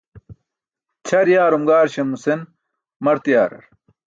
Ćʰar yaarum gaarsam nusen mart yaarar.